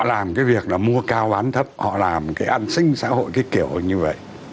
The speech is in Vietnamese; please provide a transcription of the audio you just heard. họ làm cái việc là mua cao bán thấp họ làm cái ăn xinh xã hội cái kiểu như vậy